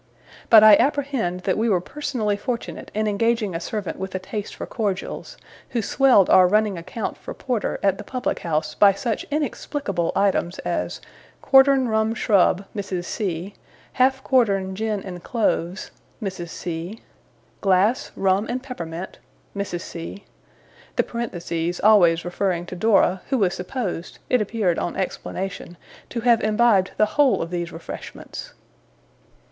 But I apprehend that we were personally fortunate in engaging a servant with a taste for cordials, who swelled our running account for porter at the public house by such inexplicable items as 'quartern rum shrub (Mrs. C.)'; 'Half quartern gin and cloves (Mrs. C.)'; 'Glass rum and peppermint (Mrs. C.)' the parentheses always referring to Dora, who was supposed, it appeared on explanation, to have imbibed the whole of these refreshments.